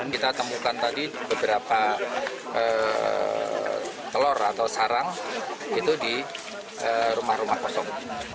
kita temukan tadi beberapa telur atau sarang itu di rumah rumah kosong